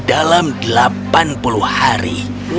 dalam delapan puluh hari